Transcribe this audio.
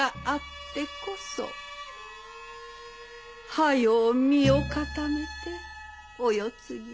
早う身を固めてお世継ぎを。